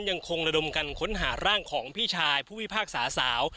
ยังคงระดมกันค้นหาร่างของพี่ชายผู้พิพากษาสาว